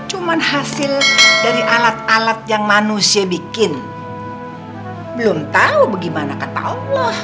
cuman hasil dari alat alat yang manusia bikin belum tahu bagaimana kata allah